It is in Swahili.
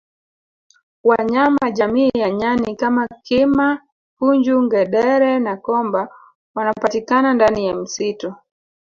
Wanyama jamii ya nyani kama kima punju ngedere na komba wanapatikana ndani ya msitu